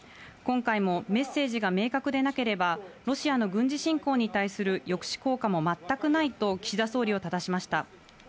今回もメッセージが明確でなければ、ロシアの軍事侵攻に対する抑止効果も全くないと岸田総理をただしました。